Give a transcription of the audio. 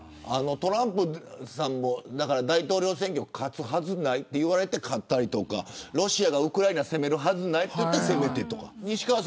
トランプさんも大統領選挙に勝つはずがないと言われて勝ったりとかロシアがウクライナを攻めるはずがないと言って攻めたりとか。